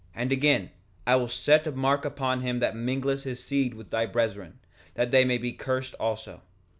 3:15 And again: I will set a mark upon him that mingleth his seed with thy brethren, that they may be cursed also.